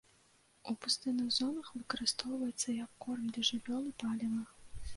У пустынных зонах выкарыстоўваецца як корм для жывёл і паліва.